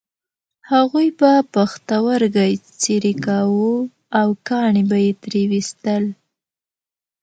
هغوی به پښتورګی څیرې کاوه او کاڼي به یې ترې ویستل.